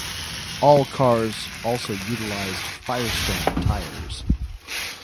All cars also utilized Firestone tires.